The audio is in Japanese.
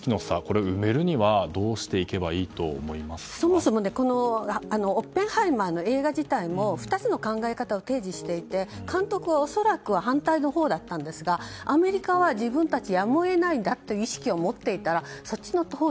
これを埋めるにはそもそも、この「オッペンハイマー」の映画自体２つの考え方を提示していて監督は恐らく反対のほうだったんですがアメリカは自分たちがやむを得ないんだという意識を持っているから、そっちのほうに。